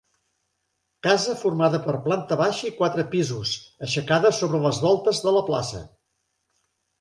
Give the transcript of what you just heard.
Casa formada per planta baixa i quatre pisos, aixecada sobre les voltes de la plaça.